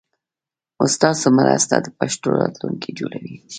ستاسو مرسته د پښتو راتلونکی جوړوي.